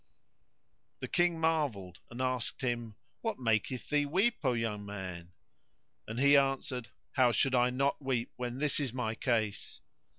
The King marvelled and asked him, "What maketh thee weep, O young man?" and he answered, "How should I not weep, when this is my case!"